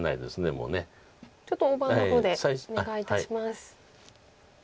ちょっと大盤の方でお願いいたします。